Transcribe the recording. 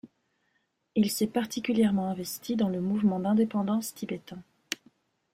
Il s'est particulièrement investi dans le mouvement d'indépendance tibétain.